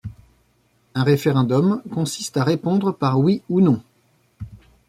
Un référendum consiste à répondre par oui ou non.